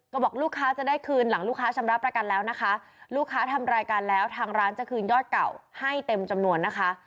ก็บอกลูกค้าจะได้คืนหลังลูกค้าชำระประกันแล้วนะคะลูกค้าทำรายการแล้วทางร้านจะคืนยอดเก่าให้เต็มจำนวนนะคะ